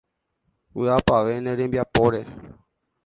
Vy'apavẽ ne rembiapóre.